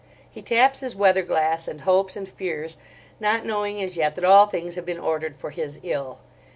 He taps his weather glass, and hopes and fears, not knowing as yet that all things have been ordered for his ill.